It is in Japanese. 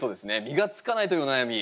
「実がつかない」というお悩み。